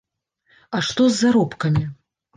А што з заробкамі?